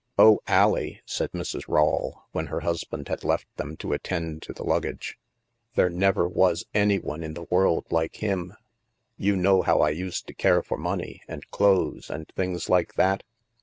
" Oh, AUie," said Mrs. Rawle, when her husband had left them to attend to the luggage, " there never was any one in the world like him. You know how I used to care for money, and clothes, and things like that?